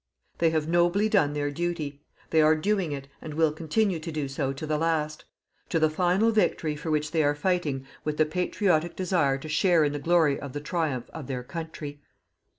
They have nobly done their duty. They are doing it, and will continue to do so to the last: to the final victory for which they are fighting with the patriotic desire to share in the glory of the triumph of their country.